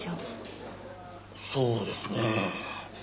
そうですね。